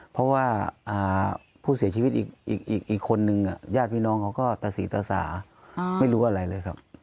เพราะว่าผู้เสียชีวิตอีกคนนึงญาติพี่น้องเขาก็ตะสีตาสาไม่รู้อะไรเลยครับ